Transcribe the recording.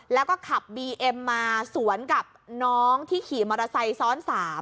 แล้วก็ขับบีเอ็มมาสวนกับน้องที่ขี่มอเตอร์ไซค์ซ้อน๓